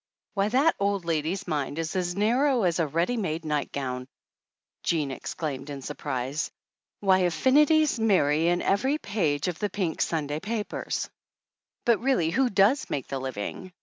"Why, that old lady's mind is as narrow as a 239 THE ANNALS OF ANN ready made nightgown," Jean exclaimed in sur prise. "Why, affinities marry in every page of the pink Sunday papers !" "But really who does make the living?"